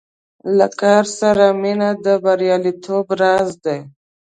له کار سره مینه د بریالیتوب راز دی.